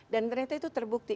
dan ternyata itu terbukti